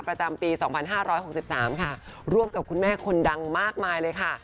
ประจำปีสองพันห้าร้อยหกสิบสามค่ะรวมกับคุณแม่คนดังมากมายเลยค่ะ